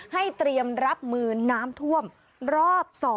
เตรียมรับมือน้ำท่วมรอบ๒